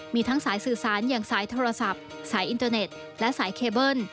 มีทั้งสายสื่อสารอย่างสายโทรศัพท์สายอินเตอร์เน็ตและสายเคเบิ้ล